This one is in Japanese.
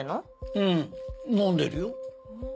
うん飲んでるよ。